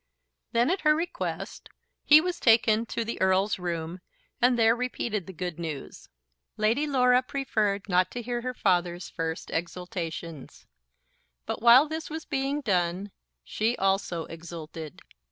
Then, at her request, he was taken to the Earl's room and there repeated the good news. Lady Laura preferred not to hear her father's first exultations. But while this was being done she also exulted.